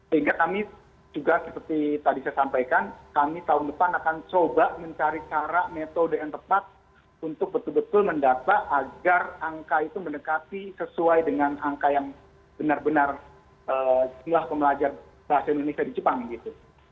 sehingga kami juga seperti tadi saya sampaikan kami tahun depan akan coba mencari cara metode yang tepat untuk betul betul mendata agar angka itu mendekati sesuai dengan angka yang benar benar jumlah pembelajar bahasa indonesia di jepang gitu